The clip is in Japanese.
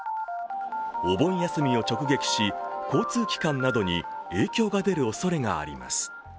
お盆休みを直撃し、交通機関などに影響が出るおそれがあります。